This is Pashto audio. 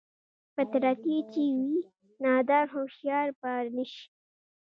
فطرتي چې وي نادان هوښيار به نشي